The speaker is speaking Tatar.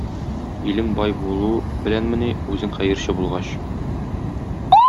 Илең бай булу беләнмени, үзең хәерче булгач.